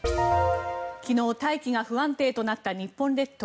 昨日、大気が不安定となった日本列島。